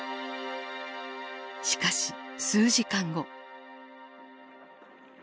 しかし数時間後。